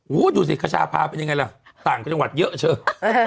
โอ้โหดูสิขชาพาเป็นยังไงล่ะต่างจังหวัดเยอะเถอะ